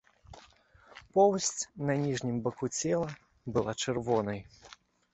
Поўсць на ніжнім баку цела была чырвонай.